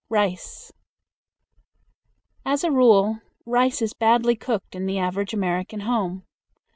Rice. As a rule rice is badly cooked in the average American home.